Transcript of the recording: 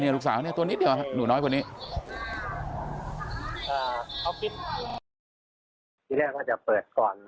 เนี่ยลูกสาวเนี่ยตัวนี้เนี่ยหนูน้อยพวกนี้